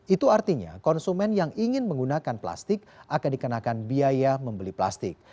itu artinya konsumen yang ingin menggunakan plastik akan dikenakan biaya membeli plastik